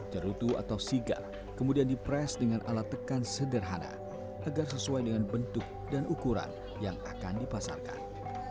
cerutu atau sigap kemudian di press dengan alat tekan sederhana agar sesuai dengan bentuk dan ukuran yang akan dipasarkan